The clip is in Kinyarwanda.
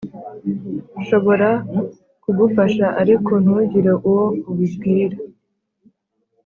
nshobora kugufasha ariko ntugire uwo ubibwira?